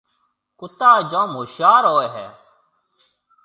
ڪُتا جوم هوشيار هوئي هيَ۔